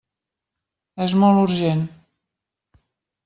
És molt urgent.